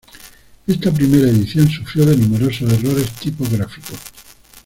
Esta primera edición sufrió de numerosos errores tipográficos.